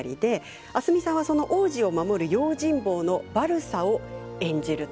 明日海さんはその皇子を守る用心棒のバルサを演じます。